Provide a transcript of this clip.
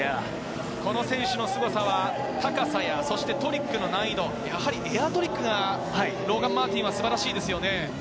この選手のすごさは高さや、そしてトリックの難易度、エアトリックがローガン・マーティンは素晴らしいですね。